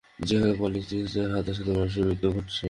যেখানে কোয়ালিস্টদের হাতে সাধারণ মানুষের মৃত্যু ঘটেছে।